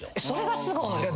それがすごい。